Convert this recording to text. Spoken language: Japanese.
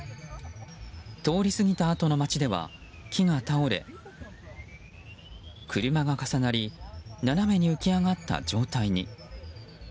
通り過ぎたあとの街では木が倒れ車が重なり斜めに浮き上がった状態に。